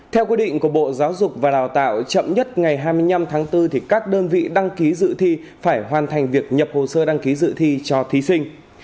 theo quy định của bộ giáo dục và đào tạo chậm nhất ngày hai mươi năm tháng bốn các đơn vị đăng ký dự thi phải hoàn thành việc nhập hồ sơ đăng ký dự thi cho thí sinh